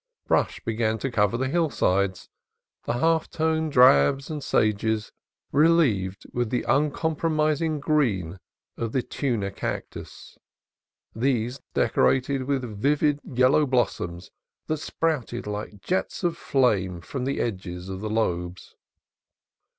Brush began to cover the hillsides, the half tone drabs and sages relieved with the uncompromising green of the tuna cactus, these last decorated with vivid yellow blossoms that sprouted like jets of flame from the edges of the lobes.